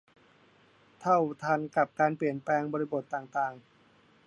เท่าทันกับการเปลี่ยนแปลงบริบทต่างต่าง